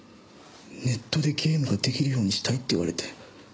ネットでゲームが出来るようにしたいって言われて。